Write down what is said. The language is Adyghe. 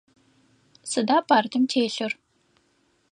Сыда партым телъыр?